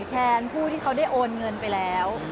แทนผู้ที่เขาได้โอนเงินไปแล้ว